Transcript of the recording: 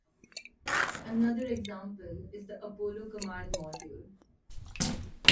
Another example is the Apollo Command Module.